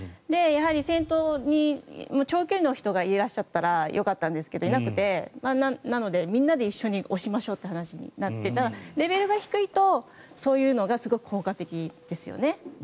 やはり先頭に長距離の人がいらっしゃったらよかったんですがいなくて、なのでみんなで一緒に押しましょうという話になってレベルが低いと、そういうのがすごい効果的ですよね。